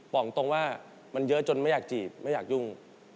บอกตรงว่ามันเยอะจนไม่อยากจีบไม่อยากยุ่ง